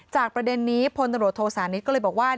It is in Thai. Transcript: จากประเด็นนี้พลตรวจโทรศาลนี้ก็เลยบอกว่า